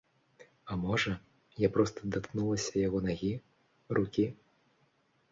А можа, я проста даткнулася яго нагі, рукі?